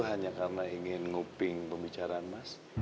hanya karena ingin nguping pembicaraan mas